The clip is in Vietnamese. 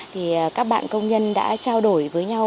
thì các bạn công nhân đã trao đổi với nhau